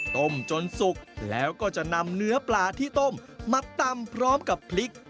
ต้มจนสุกแล้วก็จะนำเนื้อปลาที่ต้มมาตำพร้อมกับพริก